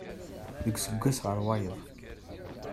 Deg useggas ɣer wayeḍ.